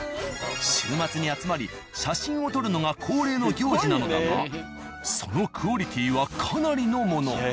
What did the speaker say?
週末に集まり写真を撮るのが恒例の行事なのだがそのクオリティーはかなりのもの。